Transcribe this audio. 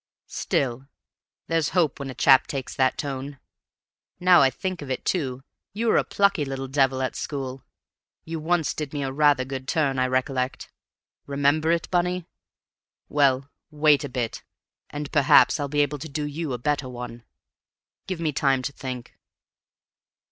Still, there's hope when a chap takes that tone. Now I think of it, too, you were a plucky little devil at school; you once did me rather a good turn, I recollect. Remember it, Bunny? Well, wait a bit, and perhaps I'll be able to do you a better one. Give me time to think."